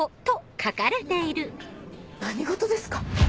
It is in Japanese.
何事ですか？